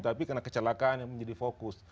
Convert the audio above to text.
tapi karena kecelakaan yang menjadi fokus